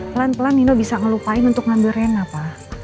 pelan pelan nino bisa ngelupain untuk ngambil rena pak